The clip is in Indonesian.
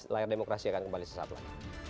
layar demokrasi akan kembali sesaat lagi